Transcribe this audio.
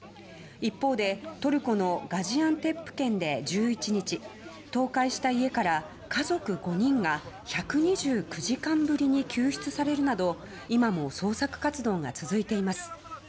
一方で、トルコのガジアンテップ県で１１日倒壊した家から、家族５人が１２９時間ぶりに救出されるなど今も捜索活動が続いています。